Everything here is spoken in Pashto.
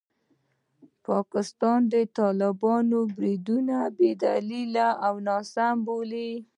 پاکستان د طالبانو بریدونه بې دلیله او ناسم وبلل.